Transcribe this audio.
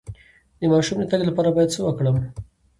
د ماشوم د تګ لپاره باید څه وکړم؟